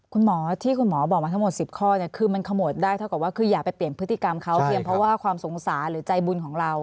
คุณหมอที่คุณหมอบอกมาทั้งหมด๑๐ข้อเนี่ยคือมันขมวดได้เท่ากับว่าคืออย่าไปเปลี่ยนพฤติกรรมเขาเพียงเพราะว่าความสงสารหรือใจบุญของเรา